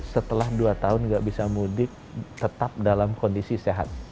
setelah dua tahun nggak bisa mudik tetap dalam kondisi sehat